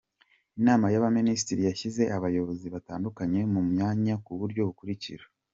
Inama y’Abaminisitiri yashyize Abayobozi batandukanye mu myanya ku buryo bukurikira :